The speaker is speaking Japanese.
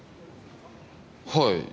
はい。